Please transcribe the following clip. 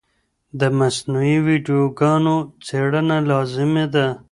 د مصنوعي ویډیوګانو څېړنه لازمي ده.